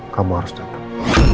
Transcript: kamu harus datang